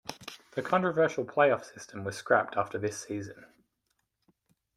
The controversial play-off system was scrapped after this season.